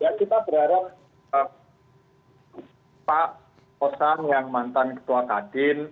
kita berharap pak osang yang mantan ketua tadin